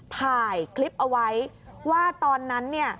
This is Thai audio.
ถ่ายคลิปเอาไว้ว่าตอนนั้น